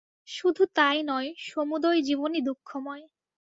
শুধু তাই নয়, সমুদয় জীবনই দুঃখময়।